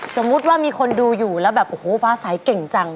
สมมุติว่ามีคนดูอยู่แล้วแบบโอ้โหฟ้าสายเก่งจัง